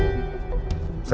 saya coba lagi ngebangun untuknya